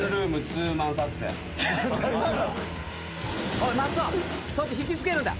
おい松尾そっち引き付けるんだ。